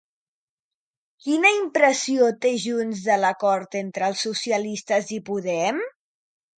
Quina impressió té Junts de l'acord entre els socialistes i Podem?